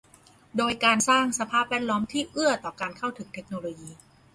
โดยการสร้างสภาพแวดล้อมที่เอื้อต่อการเข้าถึงเทคโนโลยี